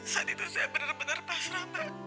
saat itu saya benar benar pasrah mbak